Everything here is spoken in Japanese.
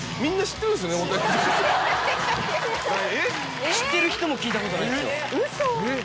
知ってる人も聞いたことないですよ。